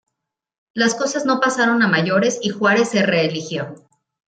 Las cosas no pasaron a mayores y Juárez se reeligió.